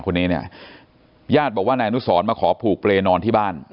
คนนี้เนี่ยญาติบอกว่านายอนุสรมาขอผูกเปรย์นอนที่บ้าน